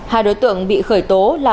hai đối tượng bị khởi tố là